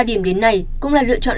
ba điểm đến này cũng là lựa chọn